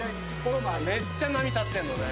めっちゃ波立ってんのね。